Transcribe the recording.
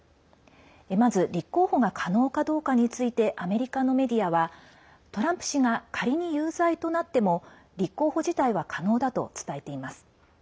まず、立候補が可能かどうかについてアメリカのメディアはトランプ氏が仮に有罪となっても立候補自体は可能だと伝えています。